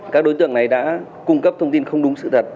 các đối tượng này đã cung cấp thông tin không đúng sự thật